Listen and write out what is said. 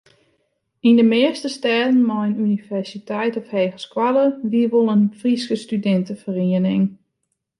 Yn de measte stêden mei in universiteit of hegeskoalle wie wol in Fryske studinteferiening.